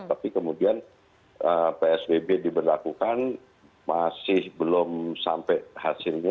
tapi kemudian psbb diberlakukan masih belum sampai hasilnya